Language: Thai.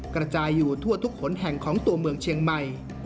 กระจายอยู่ทั่วทุกขนแห่งของตัวเมืองเชียงใหม่